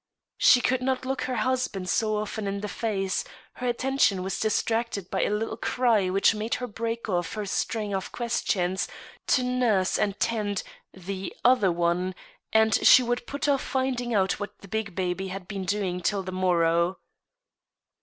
She could not look her husband so often in the face ; her attention was distracted by a little cry which made her break ofif her string of questions, to nurse and tend the other one, and she would put off finding out what the big baby had been doing till the morrow.